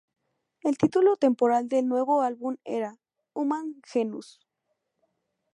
El título temporal del nuevo álbum era "Human Genus".